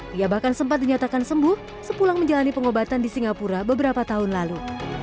dia bahkan sempat dinyatakan sembuh sepulang menjalani pengobatan di singapura beberapa tahun lalu